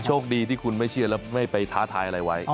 โชคดีที่คุณไม่เชื่อแล้วไม่ไปท้าทายอะไรไว้